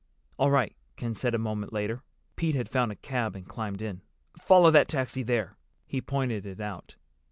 "All right," Ken said a moment later. Pete had found a cab and climbed in. "Follow that taxi there." He pointed it out.